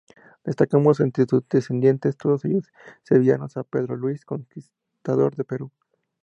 Destacamos entre sus descendientes, todos ellos sevillanos, a Pedro Luis, conquistador de Perú.